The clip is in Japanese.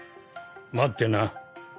待ってな。